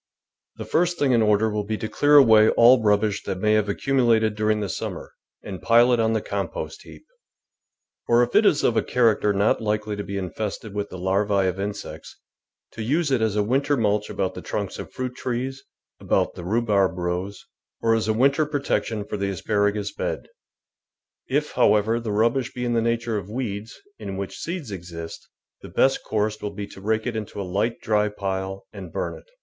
The first thing in order will be to clear away all rubbish that may have accumulated during the summer, and pile it on the compost heap, or if it is of a character not likely to be infested with the larvi of insects, to use it as a winter mulch about the trunks of fruit trees, about the rhubarb rows, or as a winter protection for the asparagus bed. If, however, the rubbish be in the nature of weeds, in which seeds exist, the best course will be to rake it into a light, dry pile and burn it.